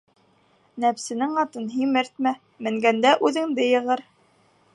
Нәпсенең атын һимертмә, менгәндә үҙеңде йығыр.